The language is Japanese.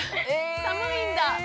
寒いんだ。